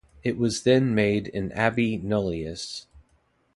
It was then made an abbey nullius.